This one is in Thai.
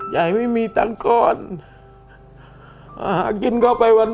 ยายไม่มีตังค์ก้อนอ่าหากินเข้าไปวัน